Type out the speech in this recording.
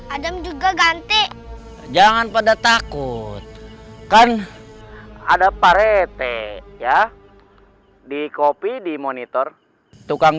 adam juga ganti jangan pada takut kan ada parete ya di kopi di monitor tukang